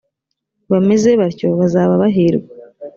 bameze batyo bazaba bahirwa